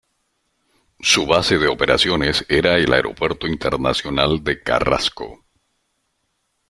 Su base de operaciones era el Aeropuerto Internacional de Carrasco.